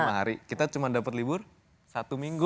tiga ratus enam puluh lima hari kita cuma dapat libur satu minggu